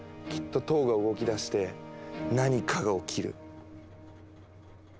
きっと塔が動きだして何かが起きる。